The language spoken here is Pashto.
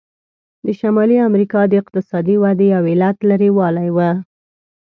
د شمالي امریکا د اقتصادي ودې یو علت لرې والی و.